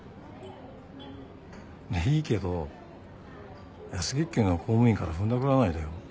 いいけど安月給の公務員からふんだくらないでよ。